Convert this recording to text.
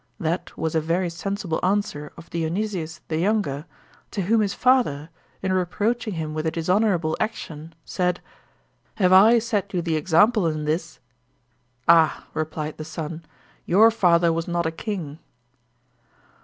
That was a very sensible answer of Dionysius the younger, to whom his father, in reproaching him with a dishonorable action, said; *Have I set you the example in this?* "Ah!* replied the son, *your father was not a king.